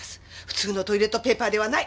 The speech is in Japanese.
普通のトイレットペーパーではない。